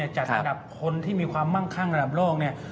จัดอันดับคนที่มีความมั่งคั่งระดับโลกเนี่ย